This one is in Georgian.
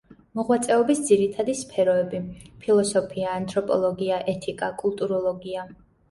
მოღვაწეობის ძირითადი სფეროები: ფილოსოფია, ანთროპოლოგია, ეთიკა, კულტუროლოგია.